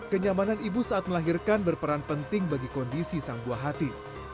kenyamanan ibu saat melahirkan berperan penting bagi kondisi sang buah hati